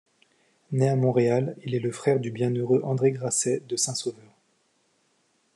Né à Montréal, il est le frère du bienheureux André Grasset de Saint-Sauveur.